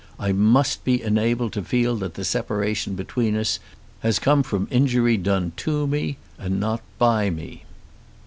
I must be enabled to feel that the separation between us has come from injury done to me, and not by me.